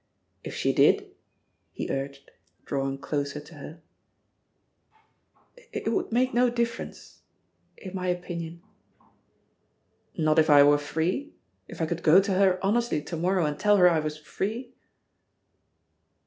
"If she did ?" he urged, drawing closer to her. 'It would make no difference — ^in my opin ion. 99 Not if I were free — if I could go to her hon estly to morrow and tell her I was free?"